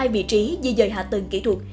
một mươi hai vị trí di dời hạ tầng kỹ thuật